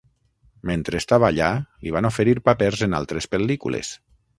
Mentre estava allà li van oferir papers en altres pel·lícules.